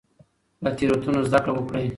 له تېروتنو زده کړه وکړئ.